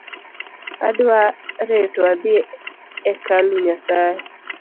Adwa reto adhii e kalu Nyasae